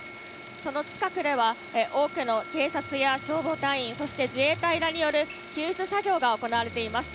その近くでは、多くの警察や消防隊員、そして自衛隊らによる救出作業が行われています。